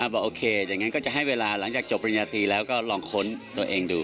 บอกโอเคอย่างนั้นก็จะให้เวลาหลังจากจบปริญญาตรีแล้วก็ลองค้นตัวเองดู